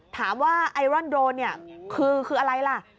ถามว่าไอรอนโดรนเนี่ยคืออะไรล่ะ